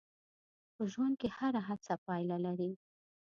په ژوند کې هره هڅه پایله لري.